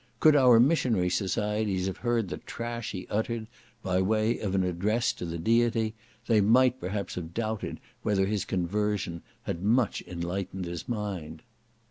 Could our missionary societies have heard the trash he uttered, by way of an address to the Deity, they might perhaps have doubted whether his conversion had much enlightened his mind.